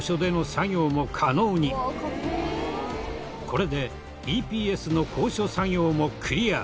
これでＥＰＳの高所作業もクリア。